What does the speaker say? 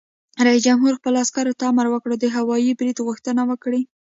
رئیس جمهور خپلو عسکرو ته امر وکړ؛ د هوايي برید غوښتنه وکړئ!